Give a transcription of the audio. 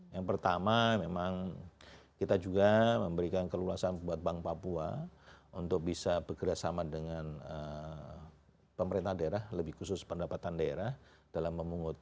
yang pertama memang kita juga memberikan kelulusan buat bank papua untuk bisa bekerjasama dengan pemerintah daerah lebih khusus pendapatan daerah dalam memungutan